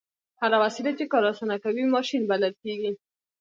هره وسیله چې کار اسانه کوي ماشین بلل کیږي.